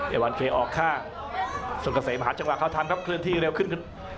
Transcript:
วันเคออกค่าส่วนเกษมหาจังหวะเข้าทำครับเคลื่อนที่เร็วขึ้นขึ้น